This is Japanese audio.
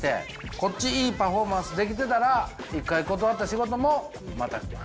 こっちいいパフォーマンスできてたら一回断った仕事もまた来る。